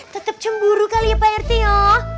tetap cemburu kali ya pak herty ya